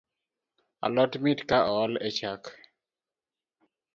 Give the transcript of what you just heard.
Alot mit ka ool e chak